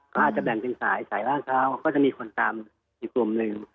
ก็อาจจะแบ่งเป็นสายสายล่างเท้าก็จะมีคนตามอีกกลุ่มหนึ่ง